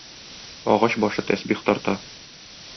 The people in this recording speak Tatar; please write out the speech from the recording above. Агач башы тәсбих тарта